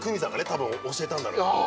たぶん教えたんだろうけど。